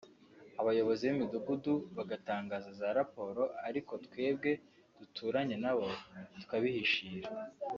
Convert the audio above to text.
abayobozi b’imidugudu bagatanga za raporo ariko twebwe duturanye nabo tukabihishira